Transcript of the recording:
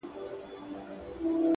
پيکه ښکارم نړۍ ته ستا و ساه ته درېږم _